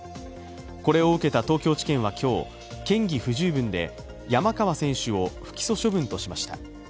これを受けた東京地検は今日、嫌疑不十分で山川選手を不起訴処分としました。